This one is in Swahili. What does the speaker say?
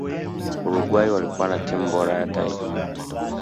uruguay walikuwa na timu bora ya taifa